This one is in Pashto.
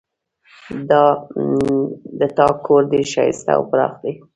د تا کور ډېر ښایسته او پراخ ده